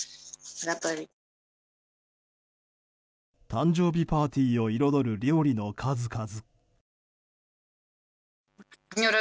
誕生日パーティーを彩る料理の数々。